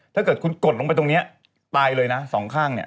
ถ้าเกิดคุณกดลงไปตรงนี้ตายเลยนะสองข้างเนี่ย